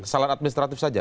salah administratif saja